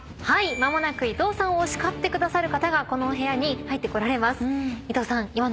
間もなく伊藤さんを叱ってくださる方がこの部屋に入ってこられます。